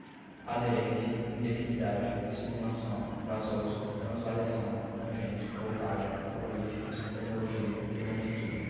aderência, indefinidade, sublimação, gasoso, transvariação, tangente, voltagem, caloríficos, termologia, termometria